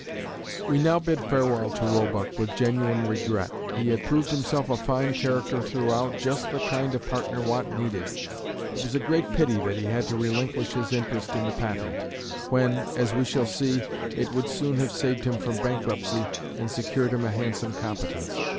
We now bid farewell to Roebuck with genuine regret. He had proved himself a fine character throughout, just the kind of partner Watt needed. It was a great pity that he had to relinquish his interest in the patent, when, as we shall see, it would soon have saved him from bankruptcy and secured him a handsome competence.